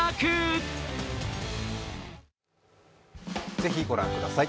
ぜひご覧ください。